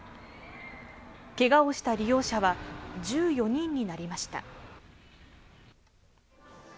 けがをした利用者は１４人になりました。